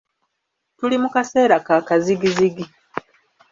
Tuli mu kaseera ka kazigizigi.